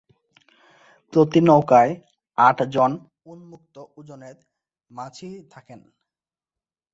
প্রতি নৌকায় আট জন উন্মুক্ত ওজনের মাঝি থাকেন।